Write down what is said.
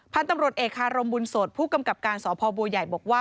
พันธุ์ตำรวจเอกคารมบุญสดผู้กำกับการสพบัวใหญ่บอกว่า